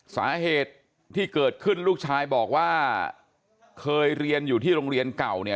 สาเหตุที่เกิดขึ้นลูกชายบอกว่าเคยเรียนอยู่ที่โรงเรียนเก่าเนี่ย